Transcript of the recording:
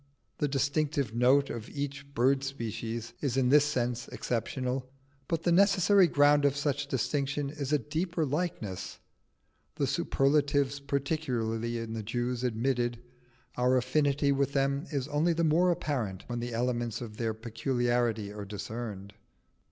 The distinctive note of each bird species is in this sense exceptional, but the necessary ground of such distinction is a deeper likeness. The superlative peculiarity in the Jews admitted, our affinity with them is only the more apparent when the elements of their peculiarity are discerned.